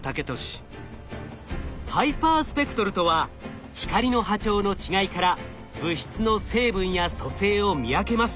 ハイパースペクトルとは光の波長の違いから物質の成分や組成を見分けます。